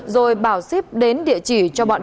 rồi bảo xếp đến địa chỉ